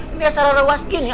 ini asal luar waskin ya